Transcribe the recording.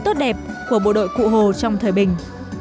tốt đẹp của bộ đội cụ hồ trong thời bình